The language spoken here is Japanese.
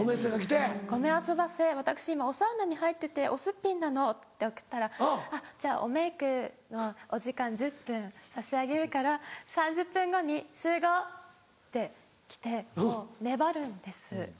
「ごめんあそばせ私今おサウナに入ってておすっぴんなの」って送ったら「じゃあおメークのお時間１０分差し上げるから３０分後に集合！」って来て粘るんです。